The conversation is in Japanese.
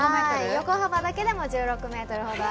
横幅だけでも１６ｍほどありまして。